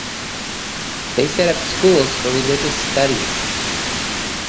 They set up schools for religious studies.